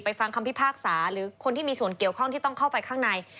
ฟังคำพิพากษาหรือคนที่มีส่วนเกี่ยวข้องที่ต้องเข้าไปข้างใน